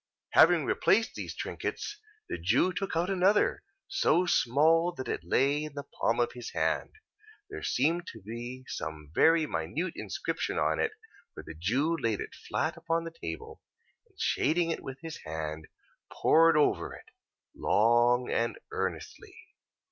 Having replaced these trinkets, the Jew took out another: so small that it lay in the palm of his hand. There seemed to be some very minute inscription on it; for the Jew laid it flat upon the table, and shading it with his hand, pored over it, long and earnestly.